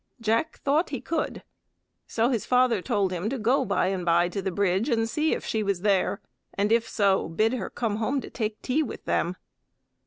Jack thought he could, so his father told him to go by and by to the bridge, and see if she was there, and if so bid her come home to take tea with them.